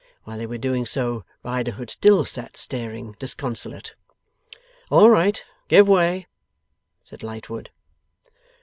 While they were doing so, Riderhood still sat staring disconsolate. 'All right. Give way!' said Lightwood.